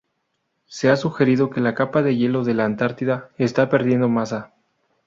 Se ha sugerido que la capa de hielo de la Antártida está perdiendo masa.